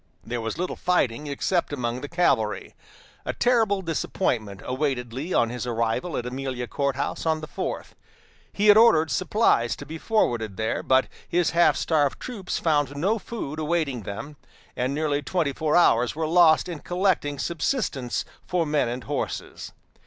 There was little fighting except among the cavalry. A terrible disappointment awaited Lee on his arrival at Amelia Court House on the fourth. He had ordered supplies to be forwarded there, but his half starved troops found no food awaiting them, and nearly twenty four hours were lost in collecting subsistence for men and horses.